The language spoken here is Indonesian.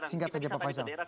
singkat saja pak faisal